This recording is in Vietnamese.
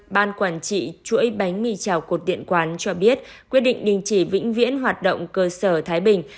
ban quản trị chuỗi bánh mì trào cột điện quán cho biết quyết định đình chỉ vĩnh viễn hoạt động cơ sở thái bình